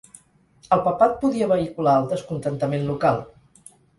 El Papat podia vehicular el descontentament local.